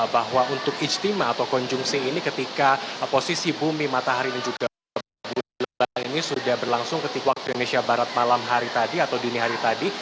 bahwa untuk ijtima atau konjungsi ini ketika posisi bumi matahari ini juga berlangsung ketika indonesia barat malam hari tadi atau dunia hari tadi